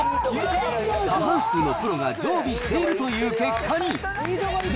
過半数のプロが常備しているという結果に。